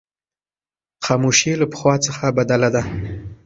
خاموشي له پخوا څخه بدله ده.